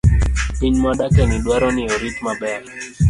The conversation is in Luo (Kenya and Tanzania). Piny mwadakieni dwaro ni orit maber.